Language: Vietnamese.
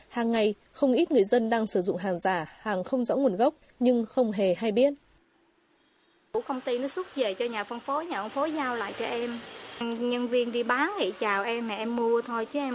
hàng ngày không ít người dân đang sử dụng hàng giả hàng không rõ nguồn gốc nhưng không hề hay biết